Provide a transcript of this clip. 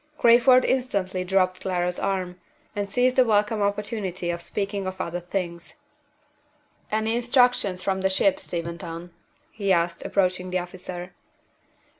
Crayford instantly dropped Clara's arm, and seized the welcome opportunity of speaking of other things. "Any instructions from the ship, Steventon?" he asked, approaching the officer.